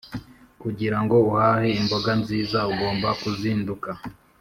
kugirango uhahe imboga nziza ugomba kuzinduka